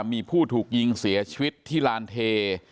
มีผู้ถูกยิงเสียชีวิตที่ลานเท